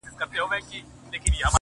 ستا د ميني پـــه كـــورگـــي كـــــي;